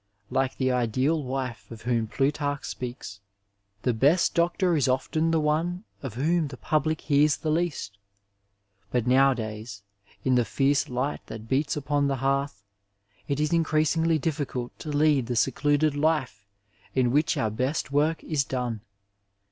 Like the ideal 887 Digitized by VjOOQIC THE MASTER WORD IN MEDICINB wife of whom Plutarch speaks, the best doctot is often the one of whom the public heais the least ; but nowadays^ in the fierce light that beats upon the heartiii, it is increasingly difficult to lead the secluded life in which our best work is done.